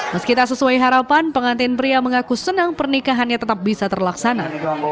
meski tak sesuai harapan pengantin pria mengaku senang pernikahannya tetap bisa terlaksana